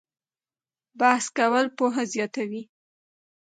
بحث کول پوهه زیاتوي؟